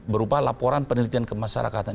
berupa laporan penelitian kemasyarakatan